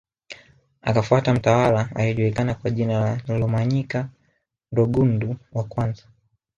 Akafuata mtawala aliyejulikana kwa jina la Rumanyika Rugundu wa kwamza